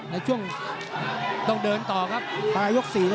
ในช่วงต้องเดินต่อกันครับ